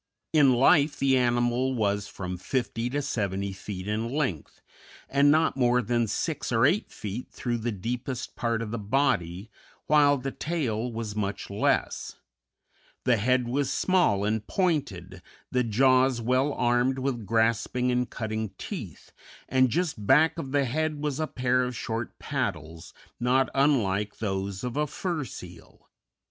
In life, the animal was from fifty to seventy feet in length, and not more than six or eight feet through the deepest part of the body, while the tail was much less; the head was small and pointed, the jaws well armed with grasping and cutting teeth, and just back of the head was a pair of short paddles, not unlike those of a fur seal.